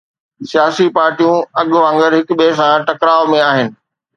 سياسي پارٽيون اڳ وانگر هڪ ٻئي سان ٽڪراءَ ۾ آهن.